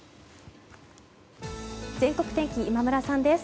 全国天気、今村さんです。